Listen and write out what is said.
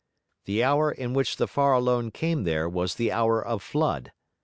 The hour in which the Farallone came there was the hour of flood.